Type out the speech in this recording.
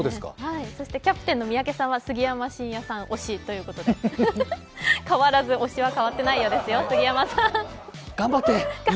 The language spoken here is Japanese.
そしてキャプテンの三宅さんは杉山真也さん推しということで、変わらず推しは変わっていないようですよ、杉山さん。